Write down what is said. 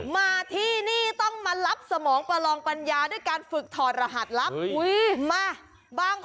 มาที่นี่ต้องมารับสมองประลองปัญญาด้วยการฝึกถอดรหัสลับ